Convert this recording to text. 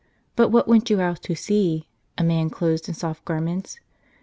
But what went you out to see ? A man clothed in soft garments